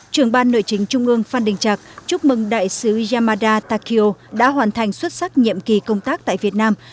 trưởng ban nội chính trung ương phan đình trạc chúc mừng đại sứ yamada takio đã hoàn thành xuất sắc nhiệm kỳ công tác tại việt nam